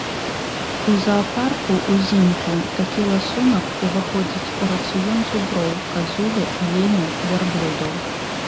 У заапарку ўзімку такі ласунак уваходзіць у рацыён зуброў, казулі, аленяў, вярблюдаў.